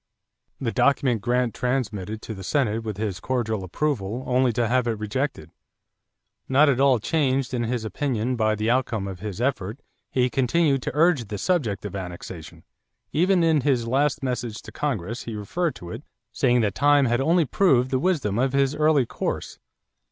The document Grant transmitted to the Senate with his cordial approval, only to have it rejected. Not at all changed in his opinion by the outcome of his effort, he continued to urge the subject of annexation. Even in his last message to Congress he referred to it, saying that time had only proved the wisdom of his early course.